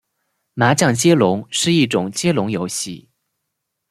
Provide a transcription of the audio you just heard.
麻将接龙是一种接龙游戏。